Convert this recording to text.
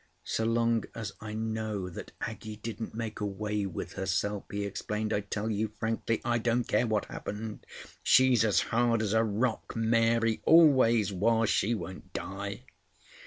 "So long as I know that Aggie didn't make away with herself," he explained, "I tell you frankly I don't care what happened. She's as hard as a rock—Mary. Always was. She won't die."